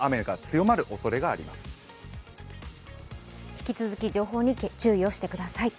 引き続き情報に注意をしてください。